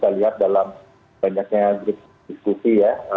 saya lihat dalam banyaknya diskusi ya